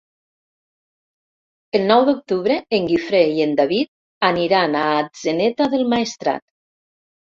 El nou d'octubre en Guifré i en David aniran a Atzeneta del Maestrat.